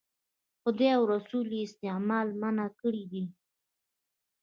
خدای او رسول یې استعمال منع کړی دی.